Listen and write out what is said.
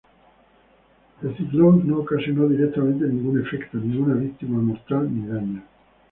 El ciclón no ocasionó directamente ningún efecto, ninguna víctima mortal ni daño.